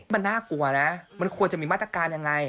มันน่ากลัวนะมันควรจะมีมาตรการยังไง